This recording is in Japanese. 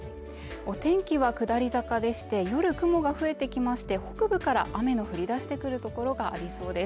お天気は下り坂でして夜雲が増えてきまして北部から雨の降り出してくるところがありそうです。